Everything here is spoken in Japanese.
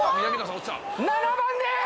７番です。